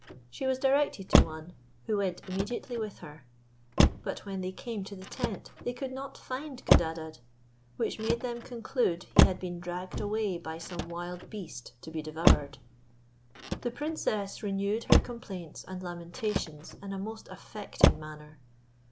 She was directed to one, who went immediately with her; but when they came to the tent, they could not find Codadad, which made them conclude he had been dragged away by some wild beast to be devoured. The princess renewed her complaints and lamentations in a most affecting manner.